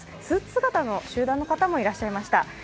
スーツ姿の集団の方もいらっしゃいました。